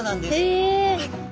へえ！